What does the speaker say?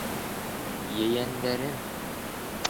Ейәндәрем!